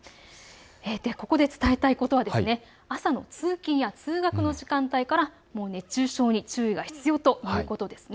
ここで伝えたいことは朝の通勤や通学の時間帯からもう熱中症に注意が必要ということです。